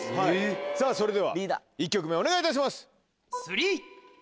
さぁそれでは１曲目お願いいたします。